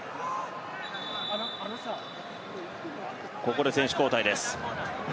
ここで選手交代です。